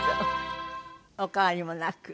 お変わりもなく？